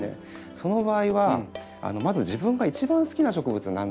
その場合はまず自分が一番好きな植物は何だろう。